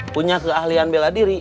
punya keahlian bela diri